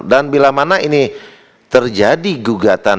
dan bila mana ini terjadi gugatan